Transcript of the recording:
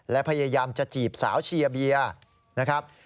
และพยายามจะจีบสาวเชียร์เบียร์นะครับ